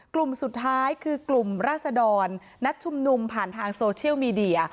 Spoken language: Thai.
กลุ่มสุดท้ายคือกลุ่มราศดรนัดชุมนุมผ่านทางโซเชียลมีเดีย